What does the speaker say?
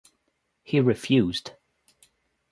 He refused.